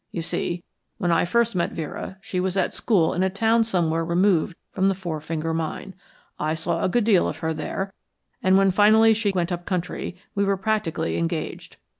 You see, when I first met Vera, she was at school in a town somewhere removed from the Four Finger Mine. I saw a good deal of her there, and when finally she went up country, we were practically engaged.